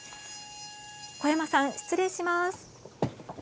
児山さん、失礼します。